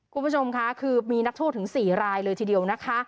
คุณผู้ชมค่ะคือมีนักโทษถึง๔รายเลยทีเดียวนะคะ